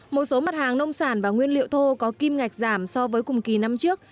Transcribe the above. một số mặt hàng nông sản và nguyên liệu thô có kim ngạch giảm so với cùng kỳ năm trước